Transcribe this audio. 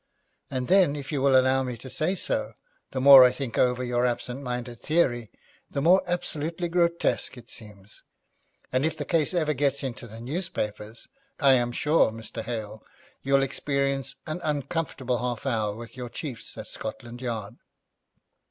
And then, if you will allow me to say so, the more I think over your absent minded theory, the more absolutely grotesque it seems, and if the case ever gets into the newspapers, I am sure, Mr Hale, you'll experience an uncomfortable half hour with your chiefs at Scotland Yard.'